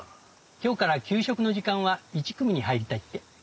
今日から給食の時間は１組に入りたいってさっき。